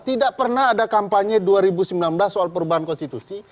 tidak pernah ada kampanye dua ribu sembilan belas soal perubahan konstitusi